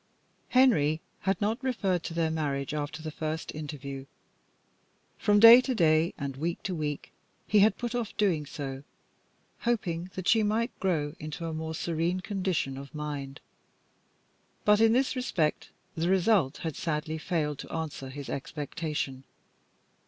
Henry had not referred to their marriage after the first interview. From day to day, and week to week, he had put off doing so, hoping that she might grow into a more serene condition of mind. But in this respect the result had sadly failed to answer his expectation.